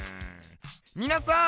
「みなさん」